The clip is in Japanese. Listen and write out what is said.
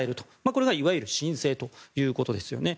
これがいわゆる申請ということですよね。